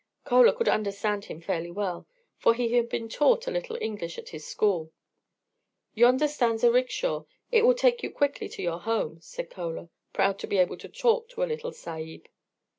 Chola could understand him fairly well, for he had been taught a little English at his school. "Yonder stands a 'rickshaw.' It will take you quickly to your home," said Chola, proud to be able to talk to a little Sahib.